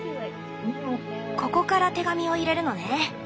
ここから手紙を入れるのね。